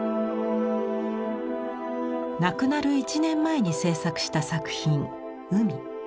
亡くなる１年前に制作した作品「海」。